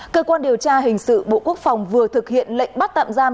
cơ quan điều tra hình sự bộ quốc phòng vừa thực hiện lệnh bắt tạm giam